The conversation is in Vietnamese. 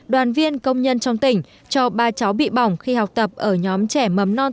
đoàn viên công nhân trong tỉnh cho ba cháu bị bỏng khi học tập ở nhóm trẻ mầm non